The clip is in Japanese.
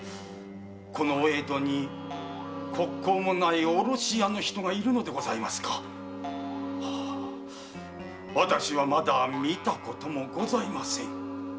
この江戸に国交もないオロシヤの人がいるのでございますか⁉私はまだ見たこともございません！